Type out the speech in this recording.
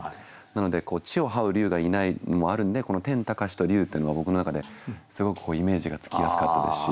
なので地をはう龍がいないのもあるんでこの「天高し」と「龍」っていうのは僕の中ですごくイメージがつきやすかったですし。